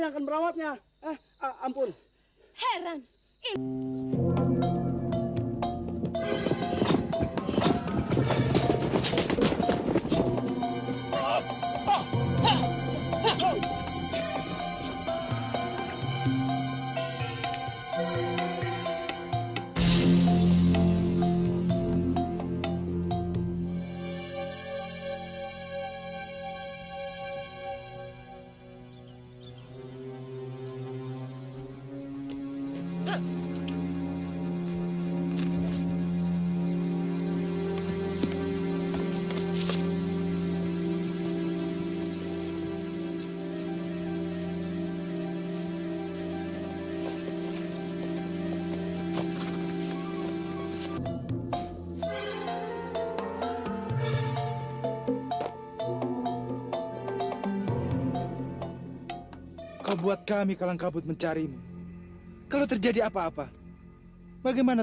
komen jok lagi